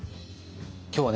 今日はね